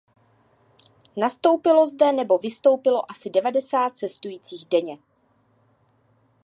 Nastoupilo zde nebo vystoupilo asi devadesát cestujících denně.